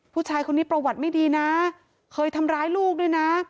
ผู้ชายคนนี้ประวัติไม่ดีนะเคยทำร้ายลูกด้วยนะ